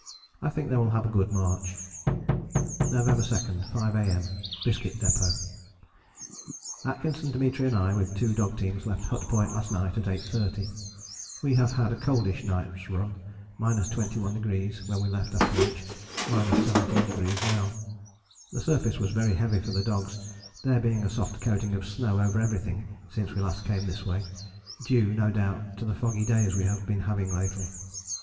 I think they will have a good march. November 2, 5 A.M. Biscuit Depôt. Atkinson, Dimitri and I, with two dog teams, left Hut Point last night at 8.30. We have had a coldish night's run, 21° when we left after lunch, 17° now. The surface was very heavy for the dogs, there being a soft coating of snow over everything since we last came this way, due no doubt to the foggy days we have been having lately.